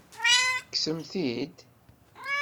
Tekksem-t-id?